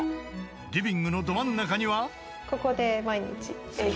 ［リビングのど真ん中には］